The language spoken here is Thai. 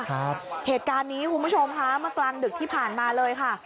เหตุการณ์นี้คุณผู้ชมค่ะเมื่อกลางดึกที่ผ่านมาเลยค่ะ